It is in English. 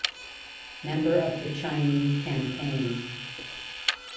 Member of the Chinese campaign.